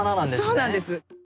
そうなんです。